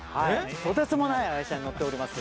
とてつもない愛車に乗っております。